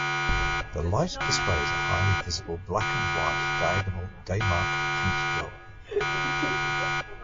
The light displays a highly visible black and white diagonal Daymark paint job.